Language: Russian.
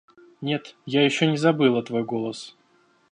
Нет, я еще не забыла твой голос.